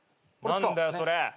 何だよそれ。